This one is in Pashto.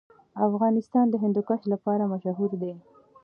افغانستان د هندوکش لپاره مشهور دی.